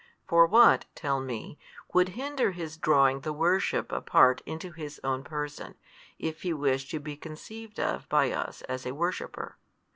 For what (tell me) would hinder His drawing the worship apart into His own Person, if He wished to be conceived of by us as a worshipper?